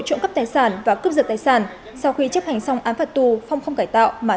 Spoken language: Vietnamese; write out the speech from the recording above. trộm cắp tài sản và cướp giật tài sản sau khi chấp hành xong án phạt tù phong không cải tạo mà